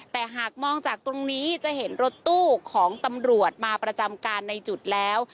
แต่หากมองจากตรงนี้จะเห็นรถตู้ของตำรวจมาประจำการในจุดแล้ว